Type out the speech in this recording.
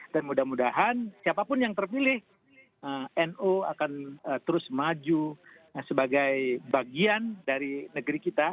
dan mudah mudahan siapapun yang terpilih nu akan terus maju sebagai bagian dari negeri kita